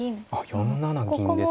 ４七銀ですか。